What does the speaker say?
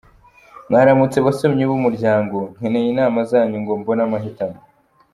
Mwaramutse basomyi b’ Umuryango, nkeneye inama zanyu ngo mbone amahitamo!.